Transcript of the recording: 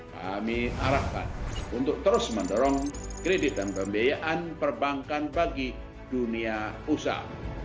kami arahkan untuk terus mendorong kredit dan pembiayaan perbankan bagi dunia usaha